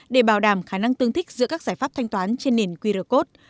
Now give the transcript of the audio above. để bảo đảm khả năng tương thích giữa các giải pháp thanh toán trên nền qr code